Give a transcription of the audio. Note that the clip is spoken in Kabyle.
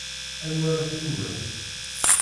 Anwa ara tlummemt?